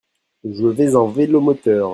Je vais en vélomoteur.